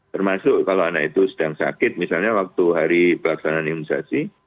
termasuk kalau anak itu sedang sakit misalnya waktu hari pelaksanaan imunisasi